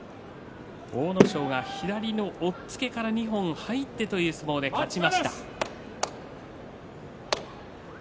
阿武咲が左の押っつけから二本入ってという相撲で勝ちました。